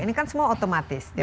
ini kan semua otomatis